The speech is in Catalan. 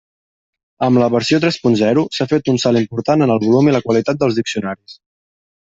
Amb la versió tres punt zero, s'ha fet un salt important en el volum i la qualitat dels diccionaris.